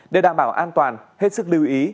để đảm bảo an toàn hết sức lưu ý